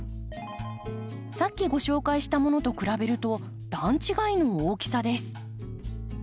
さっきご紹介したものと比べると段違いの大きさです。